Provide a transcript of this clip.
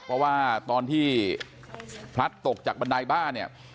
เพราะว่าตอนที่พลัดตกจากบันไดบ้านเนี่ย